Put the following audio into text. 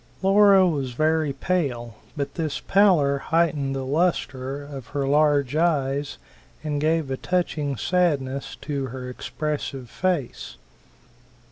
Laura was very pale, but this pallor heightened the lustre of her large eyes and gave a touching sadness to her expressive face.